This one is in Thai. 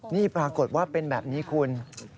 นี่ปรากฏว่าเป็นแบบนี้คุณ